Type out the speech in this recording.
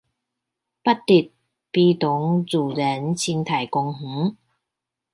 八德埤塘自然生態公園